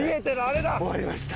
あれだ。